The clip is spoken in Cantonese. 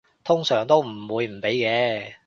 通常都唔會唔俾嘅